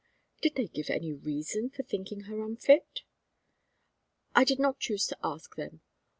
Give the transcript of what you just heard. "Did they give any reason for thinking her unfit?" "I did not choose to ask them.